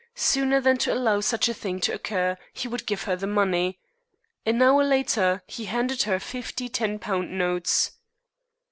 Sooner than to allow such a thing to occur he would give her the money. An hour later he handed her fifty ten pound notes."